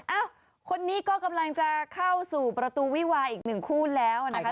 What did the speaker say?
เอ้าคนนี้ก็กำลังจะเข้าสู่ประตูวิวาอีกหนึ่งคู่แล้วนะคะ